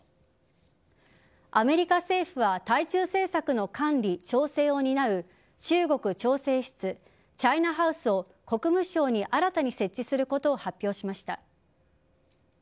アメリカ政府は対中政策の管理、調整を担う中国調整室＝チャイナハウスを国務省に新たに設置することを発表しました。